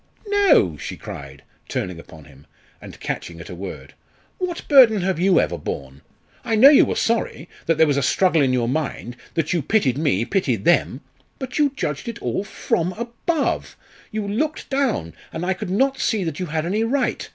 no!" she cried, turning upon him, and catching at a word; "what burden have you ever borne? I know you were sorry that there was a struggle in your mind that you pitied me pitied them. But you judged it all from above you looked down and I could not see that you had any right.